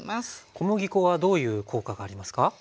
小麦粉はどういう効果がありますか？